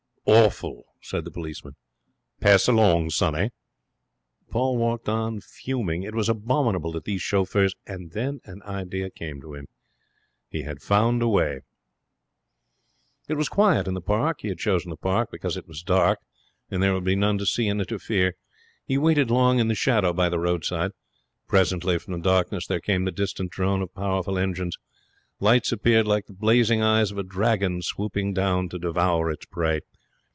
'Awful!' said the policeman. 'Pass along, sonny.' Paul walked on, fuming. It was abominable that these chauffeurs And then an idea came to him. He had found a way. It was quiet in the Park. He had chosen the Park because it was dark and there would be none to see and interfere. He waited long in the shadow by the roadside. Presently from the darkness there came the distant drone of powerful engines. Lights appeared, like the blazing eyes of a dragon swooping down to devour its prey.